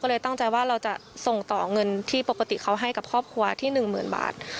ก็จะส่งไปเรื่อย